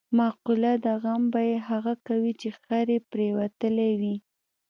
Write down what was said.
مقوله ده: غم به یې هغه کوي، چې خر یې پرېوتلی وي.